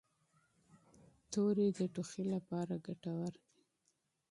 توري د ټوخي لپاره ګټور دي.